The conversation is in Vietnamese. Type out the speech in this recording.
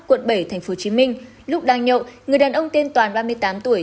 quận bảy tp hcm lúc đang nhậu người đàn ông tên toàn ba mươi tám tuổi